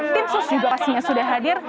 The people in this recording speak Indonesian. tim sus juga pastinya sudah hadir